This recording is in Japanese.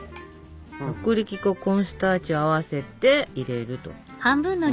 薄力粉コーンスターチを合わせて入れると。